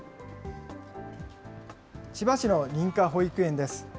千葉市の認可保育園です。